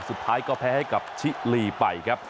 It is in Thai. สุดท้ายก็แพ้ให้กับชิลีไปครับ